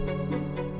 tuhan aku mau nyunggu